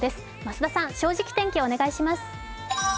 増田さん、「正直天気」、お願いします。